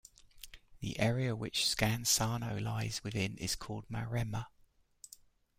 The area which Scansano lies within is called Maremma.